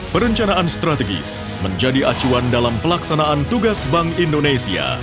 perencanaan strategis menjadi acuan dalam pelaksanaan tugas bank indonesia